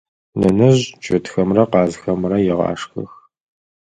Нэнэжъ чэтхэмрэ къазхэмрэ егъашхэх.